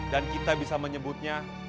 dan kita bisa menyebutnya